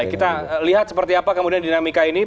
kita lihat seperti apa kemudian dinamika ini